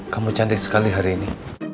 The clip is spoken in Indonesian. kamu cantik sekali hari ini